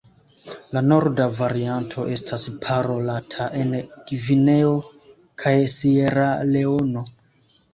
La norda varianto estas parolata en Gvineo kaj Sieraleono.